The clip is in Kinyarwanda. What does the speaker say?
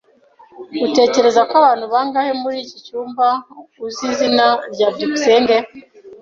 Utekereza ko abantu bangahe muri iki cyumba uzi izina rya byukusenge?